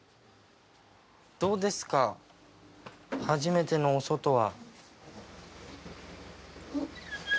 どうですか初めてのお外は。